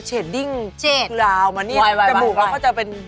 ชเตรดิ้งเกอร์ราวมานี่จมูกเขาก็จะเป็น